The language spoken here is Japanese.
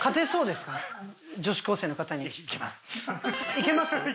いけます。